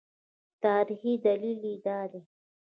تاریخي دلیل یې دا دی.